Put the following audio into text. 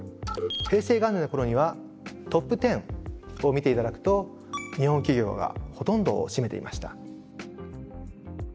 平成元年の頃にはトップ１０を見て頂くと日本企業がほとんどを占めていました。